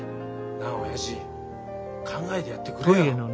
なあおやじ考えてやってくれよ。